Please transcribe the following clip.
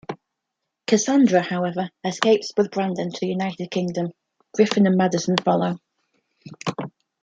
Cassandra, however, escapes with Brandon to the United Kingdom; Griffin and Madison follow.